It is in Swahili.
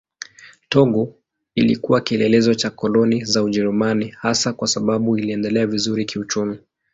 Togo ilikuwa kielelezo cha koloni za Ujerumani hasa kwa sababu iliendelea vizuri kiuchumi.